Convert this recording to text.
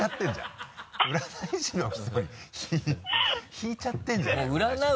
引いちゃってるんじゃない占い師も。